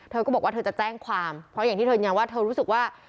เธอก็บอกว่าเธอจะแจ้งความเพราะอย่างที่เธอยืนยันว่าเธอรู้สึกว่า